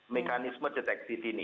mekanisme deteksi dini